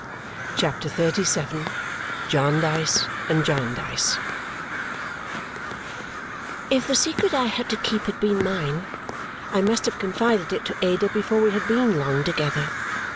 CHAPTER XXXVII Jarndyce and Jarndyce If the secret I had to keep had been mine, I must have confided it to Ada before we had been long together.